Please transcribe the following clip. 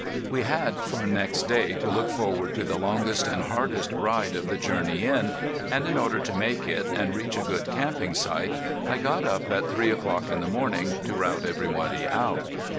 We had for next day to look forward to the longest and hardest ride of the journey in, and in order to make it and reach a good camping site I got up at three o'clock in the morning to rout everybody out.